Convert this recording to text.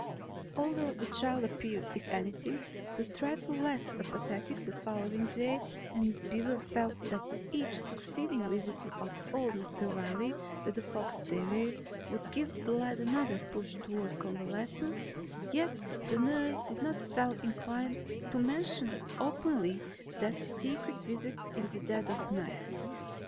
Although the child appeared, if anything, a trifle less apathetic the following day and Miss Beaver felt that each succeeding visit of old Mr. Wiley with the fox terrier would give the lad another push toward convalescence, yet the nurse did not feel inclined to mention openly that secret visit in the dead of night.